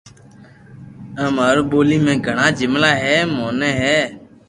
آ مارو ٻولي ۾ گھڙا جملا اي مون ٺي ھي